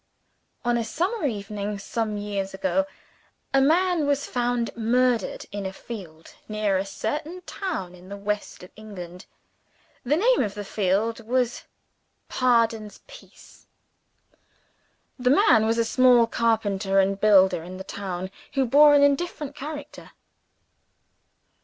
On a summer evening, some years ago, a man was found murdered in a field near a certain town in the West of England. The name of the field was, "Pardon's Piece." The man was a small carpenter and builder in the town, who bore an indifferent character.